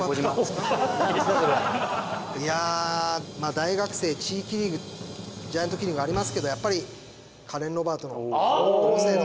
大学生地域リーグジャイアントキリングありますけどやっぱりカレンロバートの高校生の。